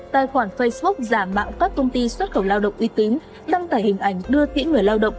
tài khoản facebook giả mạo các công ty xuất khẩu lao động uy tín tăng tải hình ảnh đưa kỹ người lao động